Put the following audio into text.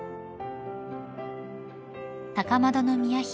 高円宮妃